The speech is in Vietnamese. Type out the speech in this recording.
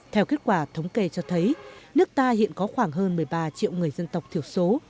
theo kết quả thống kê cho thấy nước ta hiện có khoảng hơn một mươi ba triệu người dân tộc thiểu số